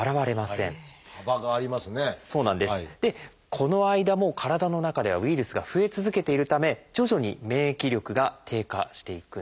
この間も体の中ではウイルスが増え続けているため徐々に免疫力が低下していくんです。